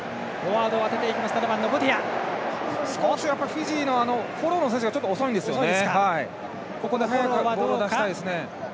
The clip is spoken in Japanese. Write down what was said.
フィジーのフォローの選手がちょっと遅いんですよね。